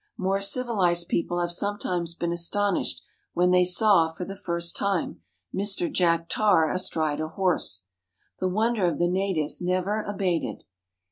More civil ized people have sometimes been astonished when they saw, for the first time, Mr. Jack Tar astride a horse. The wonder of the natives never abated.